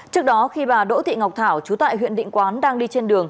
trước đó khi bà đỗ thị ngọc thảo chú tại huyện định quán đang đi trên đường